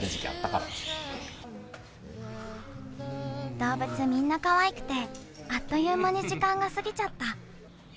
動物みんなかわいくて、あっという間に時間がすぎちゃった。